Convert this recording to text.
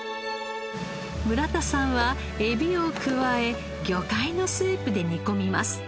村田さんはエビを加え魚介のスープで煮込みます。